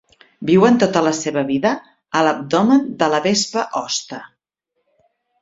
Viuen tota la seva vida a l'abdomen de la vespa hoste.